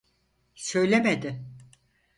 Söylemedi.